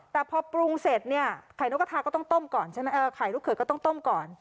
แต่พอปรุงเสร็จเนี่ยไข่ลูกเขยก็ต้องต้มก่อน